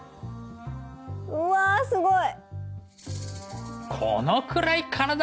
うわすごい。